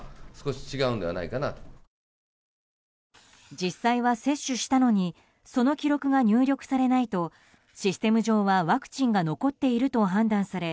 実際は接種したのにその記録が入力されないとシステム上はワクチンが残っていると判断され